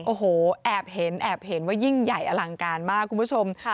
โอ้โหแอบเห็นแอบเห็นว่ายิ่งใหญ่อลังการมากคุณผู้ชม